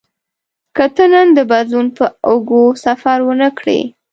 که ته نن د بدلون پر اوږو سفر ونه کړې.